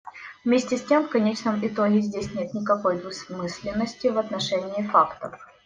Вместе с тем, в конечном итоге здесь нет никакой двусмысленности в отношении фактов.